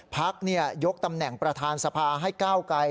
ภักดิ์เนี่ยยกตำแหน่งประธานสภาให้ก้าวไกล